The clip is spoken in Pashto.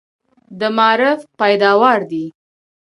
د معارف پیداوار دي.